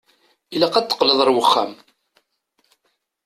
Ilaq ad teqqleḍ ar uxxam.